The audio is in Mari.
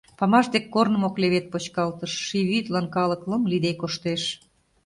Памаш дек корным ок левед почкалтыш: Ший вӱдлан калык лым лийде коштеш.